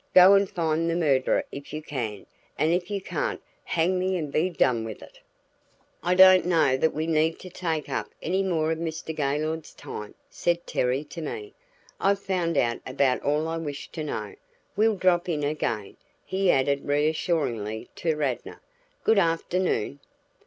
Go and find the murderer if you can, and if you can't, hang me and be done with it." "I don't know that we need take up any more of Mr. Gaylord's time," said Terry to me. "I've found out about all I wished to know. We'll drop in again," he added reassuringly to Radnor. "Good afternoon."